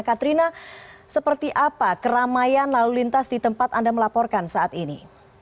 katrina seperti apa keramaian lalu lintas di tempat anda melaporkan saat ini